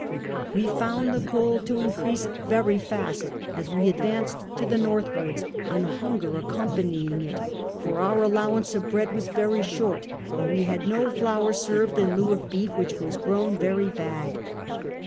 Wo found the cold to increase very fast as we advanced to the northwards ; and hunger accompanying it ; for our allowance of breatl was very short, and we had no flour served in lieu of beef, which was grown very bad.